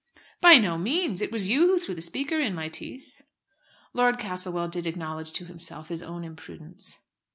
"By no means. It was you who threw the Speaker in my teeth." Lord Castlewell did acknowledge to himself his own imprudence.